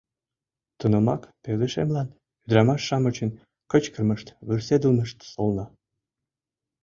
Тунамак пылышемлан ӱдырамаш-шамычын кычкырымышт, вурседылмышт солна.